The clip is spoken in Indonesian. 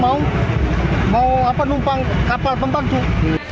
ya itu loncat waktu mau numpang kapal penumpang tuh